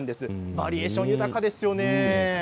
バリエーション豊かですね。